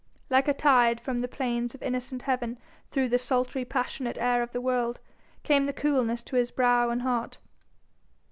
Like a tide from the plains of innocent heaven through the sultry passionate air of the world, came the coolness to his brow and heart.